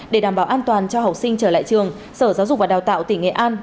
để đảm bảo an toàn cho học sinh trở lại trường sở giáo dục và đào tạo tỉnh nghệ an